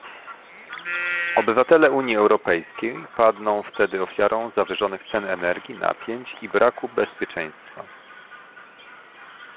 Obywatele Unii Europejskiej padną wtedy ofiarą zawyżonych cen energii, napięć i braku bezpieczeństwa